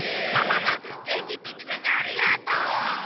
ハハハッげんきっていってくれてありがとう！